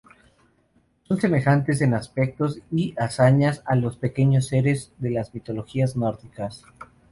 Son semejantes en aspectos y hazañas a los pequeños seres de las mitologías nórdicas.